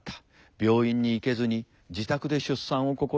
病院に行けずに自宅で出産を試みる。